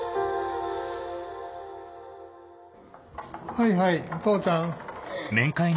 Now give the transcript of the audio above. はいはいお父ちゃん。